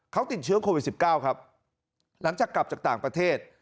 เขาติดเชื้อโควิด๑๙ครับหลังจากกลับจากต่างประเทศ